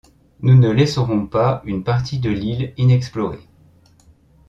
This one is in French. Nous ne laisserons pas une partie de l’île inexplorée.